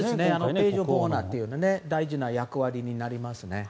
ページ・オブ・オナーという大事な役割になりますね。